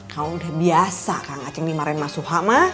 kamu udah biasa kang aceh dimarahin mas suha ma